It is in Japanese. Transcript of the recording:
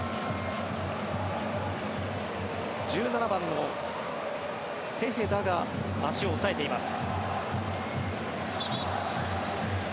１７番のテヘダが足を押さえています。